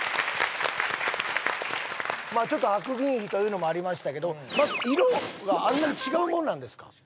まあちょっと白銀比というのもありましたけどまず色があんなに違うもんなんですか？